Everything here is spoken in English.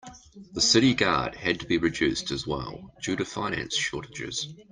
The city guard had to be reduced as well due to finance shortages.